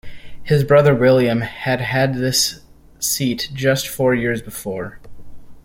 His brother William had had this seat just four years before.